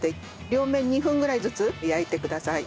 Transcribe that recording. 両面２分ぐらいずつ焼いてください。